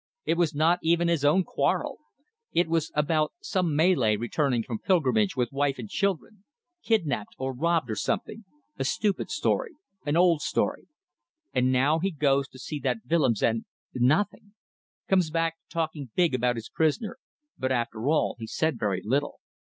It was not even his own quarrel. It was about some Malay returning from pilgrimage with wife and children. Kidnapped, or robbed, or something. A stupid story an old story. And now he goes to see that Willems and nothing. Comes back talking big about his prisoner; but after all he said very little.